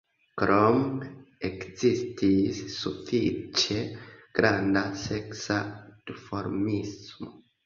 Krome ekzistis sufiĉe granda seksa duformismo.